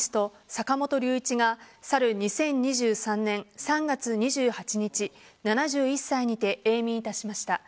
坂本龍一が、去る２０２３年３月２８日７１歳にて永眠いたしました。